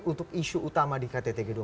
untuk isu utama di kttg dua puluh